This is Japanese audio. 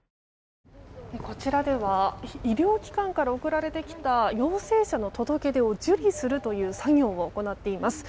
こちらでは医療機関から送られてきた陽性者の届け出を受理するという作業を行っています。